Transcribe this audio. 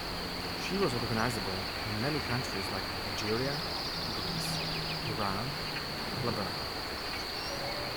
She was recognizable in many countries like Algeria, Greece, Iran, Lebanon.